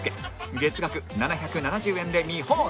月額７７０円で見放題